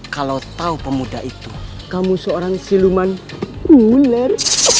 kalau tahu pemuda itu kamu seorang siluman unggul